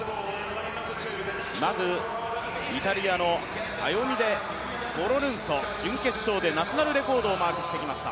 まずイタリアのアヨミデ・フォロルンソ、準決勝でナショナルレコードをマークしてきました。